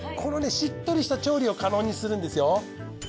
しっとりした調理を可能にするんですよ。